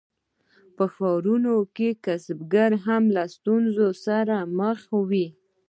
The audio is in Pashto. په ښارونو کې کسبګر هم له ستونزو سره مخ وو.